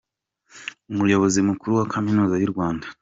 Umuyobozi mukuru wa Kaminuza y’u Rwanda.